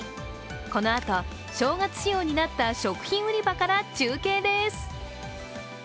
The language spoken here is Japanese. このあと、正月仕様になった食品売り場から中継です。